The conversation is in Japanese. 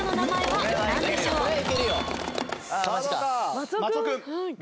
松尾君。